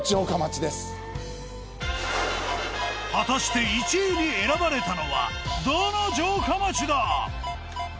果たして１位に選ばれたのはどの城下町だ！？